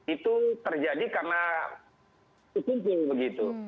itu terjadi karena berkumpul begitu